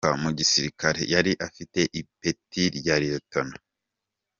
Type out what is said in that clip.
Seyoboka mu gisirikare yari afite ipeti rya Lieutenant.